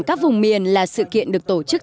các vùng miền là sự kiện được tổ chức